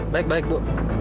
baik baik bu